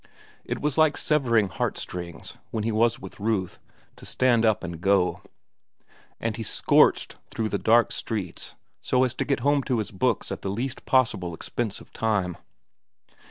It was like severing heart strings, when he was with Ruth, to stand up and go; and he scorched through the dark streets so as to get home to his books at the least possible expense of time.